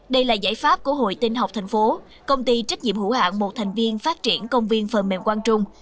đây là giải pháp của hội tin học thành phố công ty trách nhiệm hữu hạng một thành viên phát triển công viên phần mềm quang trung